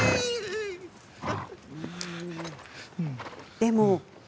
でも。